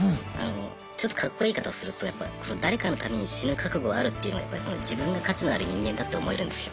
ちょっとカッコいい言い方をすると誰かのために死ぬ覚悟あるっていうのは自分が価値のある人間だって思えるんですよ。